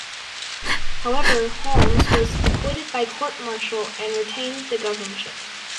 However, Holmes was acquitted by court-martial and retained the governorship.